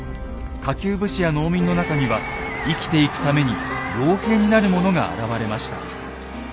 下級武士や農民の中には生きていくために傭兵になる者が現れました。